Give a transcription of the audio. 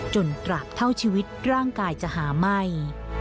ตราบเท่าชีวิตร่างกายจะหาไหม้